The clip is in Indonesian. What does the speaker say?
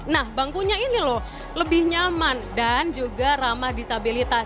nah bangkunya ini loh lebih nyaman dan juga ramah disabilitas